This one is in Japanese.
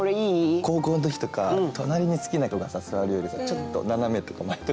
高校の時とか隣に好きな子が座るよりちょっと斜めとか前とかにいた方が。